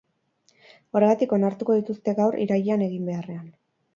Horregatik onartuko dituzte gaur, irailean egin beharrean.